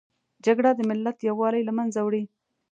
جګړه د ملت یووالي له منځه وړي